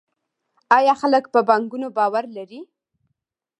آیا خلک په بانکونو باور لري؟